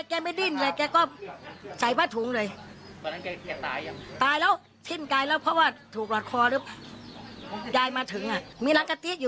เนี่ยเนี่ยฟันตรงนี้ละ